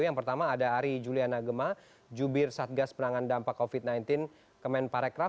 yang pertama ada ari juliana gemma jubir satgas penangan dampak covid sembilan belas kemen parekraf